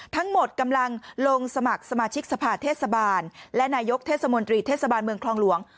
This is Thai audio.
กำลังลงสมัครสมาชิกสภาเทศบาลและนายกเทศมนตรีเทศบาลเมืองคลองหลวง